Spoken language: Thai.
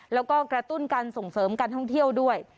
แล้วก็กระตุ้นการส่งเสริมการท่องเที่ยวด้วย